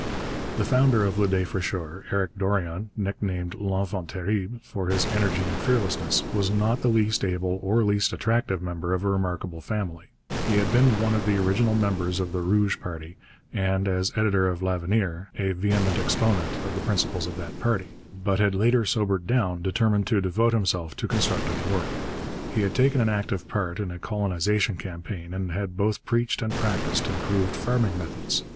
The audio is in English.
The founder of Le Défricheur, Eric Dorion, nicknamed L'Enfant Terrible for his energy and fearlessness, was not the least able or least attractive member of a remarkable family. He had been one of the original members of the Rouge party and, as editor of L'Avenir, a vehement exponent of the principles of that party, but had later sobered down, determined to devote himself to constructive work. He had taken an active part in a colonization campaign and had both preached and practised improved farming methods.